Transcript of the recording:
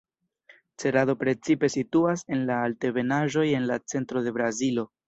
Cerado precipe situas en la altebenaĵoj en la centro de Brazilo.